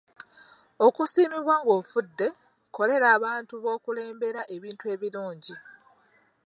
Okusiimibwa ng'ofudde, kolera abantu b'okulembera ebintu ebirungi.